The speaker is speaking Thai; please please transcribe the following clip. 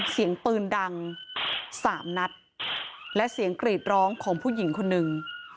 เสียงปืนดังสามนัดและเสียงกรีดร้องของผู้หญิงคนหนึ่ง